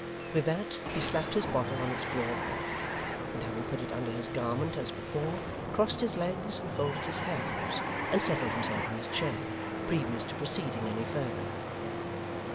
With that he slapped his bottle on its broad back, and having put it under his garment as before, crossed his legs and folded his hands, and settled himself in his chair, previous to proceeding any further.